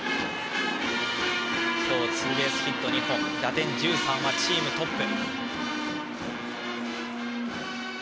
今日ツーベースヒット２本打点１３はチームトップ。